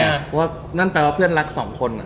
เพราะว่าขึ้นไปกับเพื่อนรัก๒คนอ่ะ